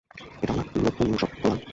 এটা উনার নপুংসক গোলাম!